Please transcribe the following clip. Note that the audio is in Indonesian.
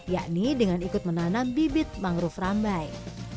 yakni dengan ikut menanam bibit mangrove rambai